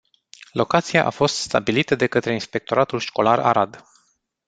Locația a fost stabilită de către inspectoratul școlar Arad.